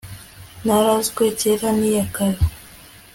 narazwe kera n'iyakare